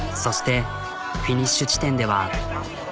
そしてフィニッシュ地点では。